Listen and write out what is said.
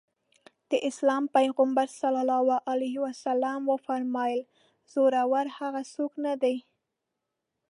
د اسلام پيغمبر ص وفرمايل زورور هغه څوک نه دی.